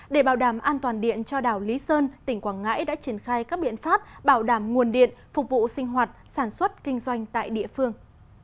để bảo đảm an toàn điện cho đảo lý sơn tỉnh quảng ngãi đã triển khai các biện pháp bảo đảm nguồn điện phục vụ sinh hoạt sản xuất kinh doanh tại địa phương